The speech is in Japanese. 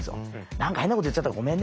「何か変なこと言っちゃったらごめんね。